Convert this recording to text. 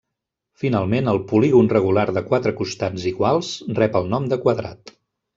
Finalment, el polígon regular de quatre costats iguals rep el nom de quadrat.